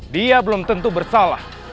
dia belum tentu bersalah